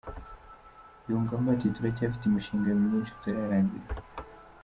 Yungamo ati “Turacyafite imishinga myinshi tutararangiza”.